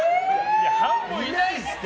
いや、半分いないですって。